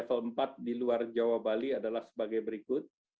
pertama penyimbangan gas di luar jawa bali adalah sebagai berikut